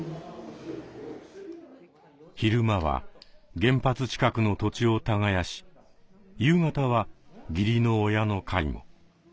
昼間は原発近くの土地を耕し夕方は義理の親の介護。